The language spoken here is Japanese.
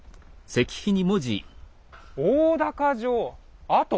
「大高城跡」。